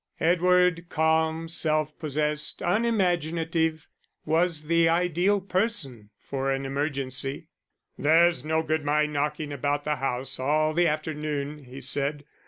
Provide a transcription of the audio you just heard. Edward, calm, self possessed, unimaginative, was the ideal person for an emergency. "There's no good my knocking about the house all the afternoon," he said.